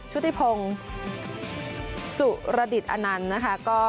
ชุดที่พงสุระดิษฐ์อันนั้น